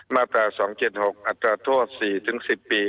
มาตรา๒๗๖อัตราโทษ๔๑๐ปี